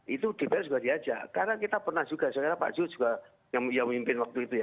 itu dpr juga diajak karena kita pernah juga sebenarnya pak zul juga yang memimpin waktu itu ya